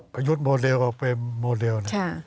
พยุดโมเดลออกไปโมเดล